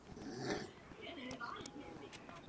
Přesto je jeho působení zde pro dějiny Habsburků významné.